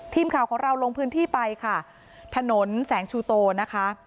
ทีมข่าวของเราลงพื้นที่ไปค่ะถนนแสงชูโตนะคะ